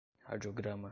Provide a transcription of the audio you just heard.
radiograma